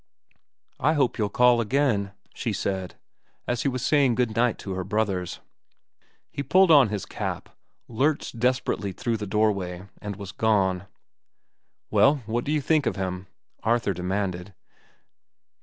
"I hope you'll call again," she said, as he was saying good night to her brothers. He pulled on his cap, lurched desperately through the doorway, and was gone. "Well, what do you think of him?" Arthur demanded.